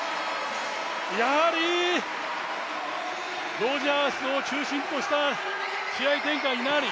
やはりロジャーズを中心とした試合展開になり